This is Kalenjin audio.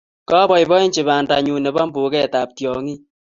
Kaboibochi bandanyu nebo mbugetab tyong'iik.